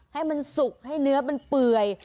ให้มันสุกให้เนื้อมันเปื่อย